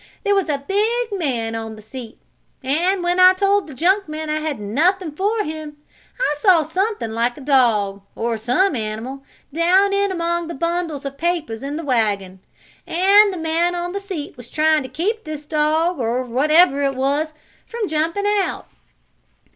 There was a big man on the seat, and when I told the junkman I had nothing for him I saw something like a dog, or some animal, down in among the bundles of papers in the wagon. And the man on the seat was trying to keep this dog, or whatever it was, from jumping out."